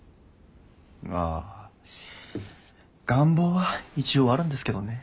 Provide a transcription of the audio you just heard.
まあ願望は一応あるんですけどね。